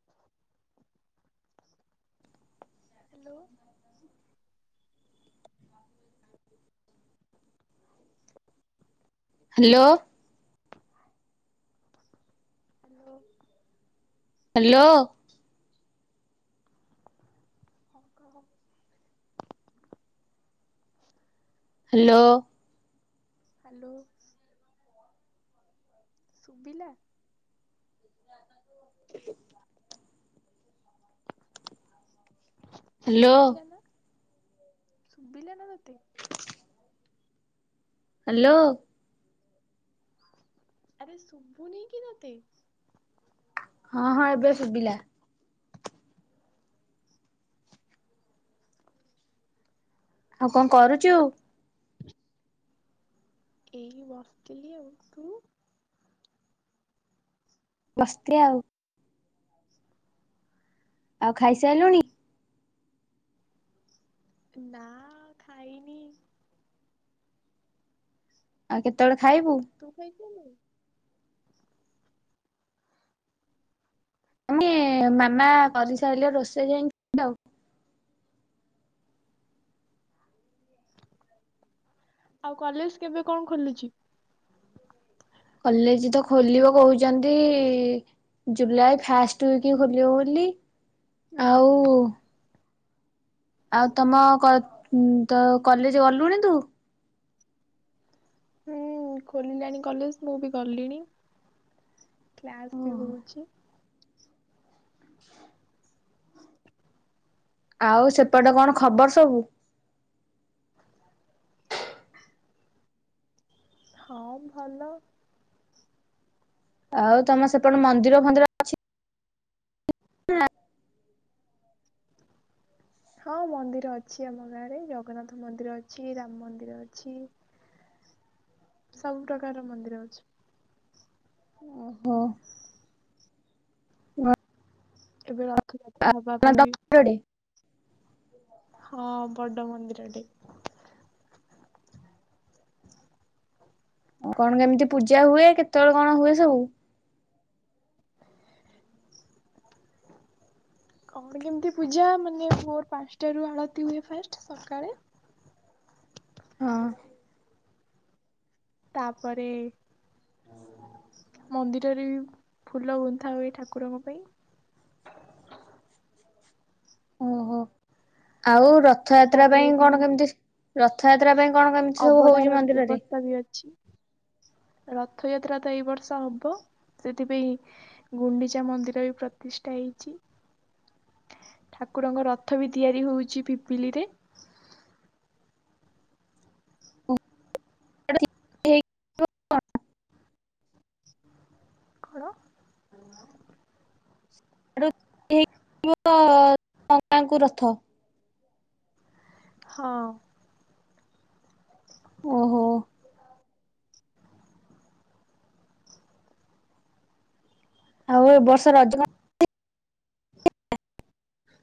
Hello. Hello. Hello. Hello. [unintelligible] Hello. Hello. ଶୁବିଲା। [unintelligible] Hello ସୁବିିଲା ନା ସୁବିିଲା ନା ତତେ। ହ୍ୟାଲୋ। ଆରେ ଶୁବୁନି କି ତତେ? ହଁ ହଁ ଏବେ ଶୁବିଲା। ଆଉ କଣ କରୁଚୁ? ଏଇ ବସ୍ ତିଲି ଆଉ ତୁ? ବସ୍ ଥ୍ରୀ ଆଉ। ଆଉ ଖାଇସାଇଲୁଣି? ନା ଖାଇନି। ଆଉ କେତେବେଳେ ଖାଇବୁ? ତୁ ଖାଇ ତୁନୁ। ଆମ୍ ଗେ ମାମା କରିସାଇଲେ ରୋଷେଇ ଯାଇକି [unintelligible] ଆଉ ଆଉ କଲେଜ କେବେ କଣ ଖୋଲୁଚି? କଲେଜ ତ ଖୋଲିବ କଉଛନ୍ତି। ଜୁଲାଇ ଫାଷ୍ଟ ୱିକ ଖୋଲିବ ବୋଲି ଆଉ ଆଉ ତମ କ ଉଁ ତ କଲେଜ ଗଲୁଣି ତୁ? ହୁଁ ଖୋଲିଲାଣି କଲେଜ ମୁଁ ବି ଗଲିଣି କ୍ଲାସ୍ ବି ହଉଛି। [inaudible] ଆଉ ସେପଟେ କଣ ଖବର ସବୁ? ହଁ ଭଲ। ଆଉ ତମ ସେପଟେ ମନ୍ଦିର ଫନ୍ଦିର ଅଛି ହଁ ମନ୍ଦିର ଅଛି ଆମ ଗାଁରେ ଜଗନ୍ନାଥ ମନ୍ଦିର ଅଛି ରାମ ମନ୍ଦିର ଅଛି। ସବୁ ପ୍ରକାରର ମନ୍ଦିର ଅଛି। ଓହୋ। [unintelligible] ଏବେ ରଥଯାତ୍ରା ହବା ପାଇଁ ବି ହଁ ବଡ଼ ମନ୍ଦିର ଟେ। ଅ କଣ କେମିତି ପୂଜା ହୁଏ କେତେବେଳେ କଣ ହୁଏ ସବୁ? କଣ କେମିତି ପୂଜା ମାନେ ଭୋର ପାସ୍ ଟାରୁ ଆଳତି ହୁଏ ଫାଷ୍ଟ ସକାଳେ। ହଁ। ତାପରେ ମନ୍ଦିରରେ ବି ଫୁଲ ଗୁନ୍ଥା ହୁଏ ଠାକୁରଙ୍କ ପାଇଁ। ଓହୋ ଆଉ ରଥଯାତ୍ରା ତାପରେ ପାଇଁ ବି କଣ କେମିତି ରଥଯାତ୍ରା ପାଇଁ କଣ କେମିତି ସବୁ ହଉଛି ଅବଢାର ମନ୍ଦିରରେ? [unintelligible] ବି ଅଛି। ରଥଯାତ୍ରା ତ ଏଇ ବର୍ଷ ହବ ସେଥିପାଇଁ ଗୁଣ୍ଡିଚା ମନ୍ଦିର ବି ପ୍ରତିଷ୍ଠା ହେଇଚି। ଠାକୁରଙ୍କ ରଥ ବି ତିଆରି ହୋଉଚି ପିପିଲିରେ। [unintelligible] [unintelligible] [unintelligible] ରଥ ହଁ। ଓହୋ। ଆଉ ଏ ବର୍ଷର ରଜ ହ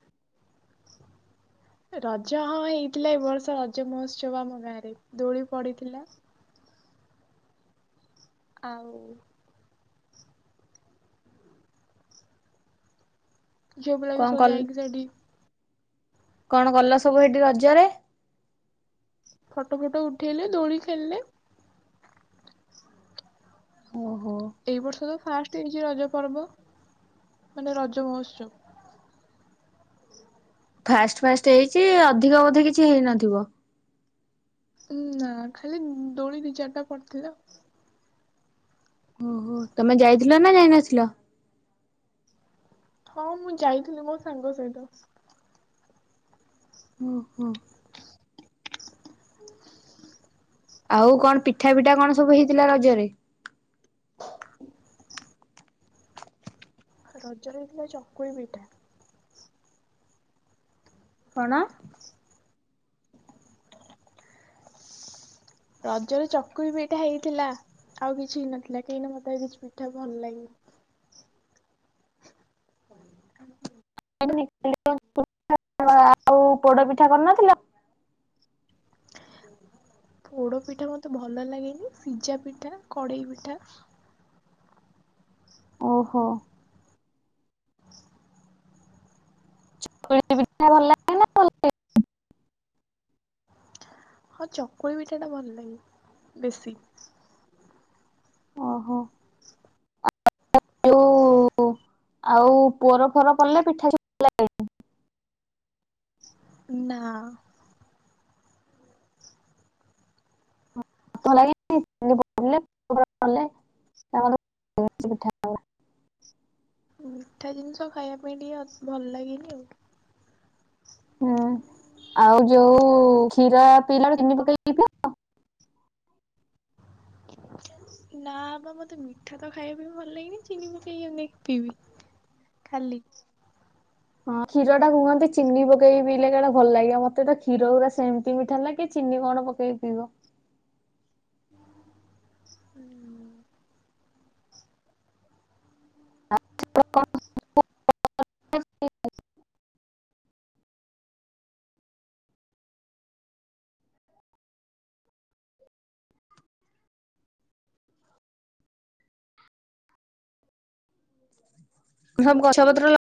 ରଜ ହଁ ହେଇଥିଲା ଏ ବର୍ଷ ରଜ ମହୋତ୍ସବ ଆମ ଗାଁରେ ଦୋଳି ପଡିଥିଲା। ଆଉ। ଯେଉଁ ପିଲା ବି କଣ ସବୁ କଲ ଯାଇକି ସେଟି କଣ ଗଲ ସବୁ ହେଟି ରଜରେ। ଫଟୋ ଫଟ ଉଠେଇଲେ ଦୋଳି ଖେଳିଲେ। ଓହୋ। ଏଇ ବର୍ଷ ତ ଫାଷ୍ଟ ହେଇଚି ରଜ ପର୍ବ ମାନେ ରଜ ମହୋତ୍ସବ। ଫାଷ୍ଟ ଫାଷ୍ଟ ହେଇଚି ଅଧିକ ବୋଧେ କିଛି ହେଇନଥିବ। ନା ଖାଲି ଦୋଳି ଦି ଚାରିଟା ପଡିଥିଲା। ଓହୋ ତମେ ଯାଇଥିଲ ନା ଯାଇନଥିଲ। ହଁ ମୁଁ ଯାଇଥିଲି ମୋ ସାଙ୍ଗ ସହିତ। ହୁଁ ହୁଁ। ଆଉ କଣ ପିଠା ପିଠା କଣ ସବୁ ହେଇଥିଲା ରଜରେ। ରଜରେ ହେଇଥିଲା ଚକୁଳି ପିଠା। କଣ। ରଜରେ ଚକୁଳି ପିଠା ହେଇଥିଲା ଆଉ କିଛି ହେଇ ନଥିଲା କାହିଁକି ନା ମତେ କିଛି ପିଠା ଭଲ ଲାଗେନି। [unintelligible] ଆଉ ପୋଡପିଠା କରିନଥିଲ। ପୋଡ଼ ପିଠା ମୋତେ ଭଲ ଲାଗେନି ସିଜା ପିଠା କଡ଼େଇ ପିଠା। ଓହୋ। ଚକୁଳି ପିଠା ଭଲ ଲାଗ ହଁ ଚକୁଳି ପିଠାଟା ଭଲ ଲାଗେ ବେଶୀ। ଓହୋ। [unintelligible] ଯୋଉ ଆଉ ପୁଅର ଫର କଲେ ପିଠା ଭଲ ଲାଗେ ନା। [unintelligible] [unintelligible] ମିଠା ଜିନିଷ ଖାଇବା ପାଇଁ ଟିକେ ଭଲ ଲାଗେନି ଆଉ। ହୁଁ ଆଉ ଯୋଉ କ୍ଷୀର ପିଇଲାଳେ ଚିନି ପକେଇକି ପିଇ ପ ନା ବାବା ମତେ ମିଠା ତ ଖାଇବା ବି ଭଲ ଲାଗନି ଚିନି ପକେଇକି କେପିଇବି। ଖାଲି। ହଁ କ୍ଷୀରଟା କୁହନ୍ତି ଚିନି ପକେଇ ପିଇଲେ କାଳେ ଭଲ ଲାଗେ ମତେ କ୍ଷୀରଉରା ସେମିତି ମିଠା ଲାଗେ ଚିନି କଣ ପକେ ପକେଇ ପିଇବ। [unintelligible] ସବୁ ଗଛ ପତ୍ର ଲ